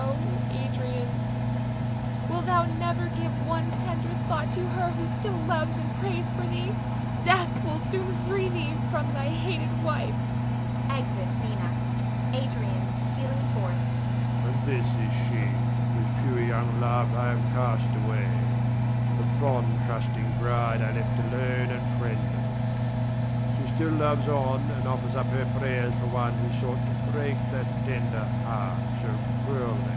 Oh, Adrian, wilt thou never give one tender thought to her who still loves and prays for thee? Death will soon free thee from thy hated wife. [Exit Nina. Adrian [stealing forth]. And this is she, whose pure young love I have cast away, the fond, trusting bride I left alone and friendless. She still loves on, and offers up her prayers for one who sought to break that tender heart so cruelly.